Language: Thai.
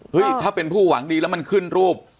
ถ้าเป็นผู้หวังดีแล้วมันขึ้นรูป